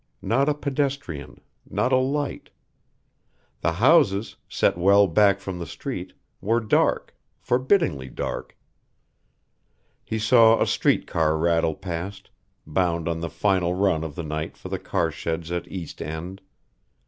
Not a pedestrian; not a light. The houses, set well back from the street, were dark, forbiddingly dark. He saw a street car rattle past, bound on the final run of the night for the car sheds at East End.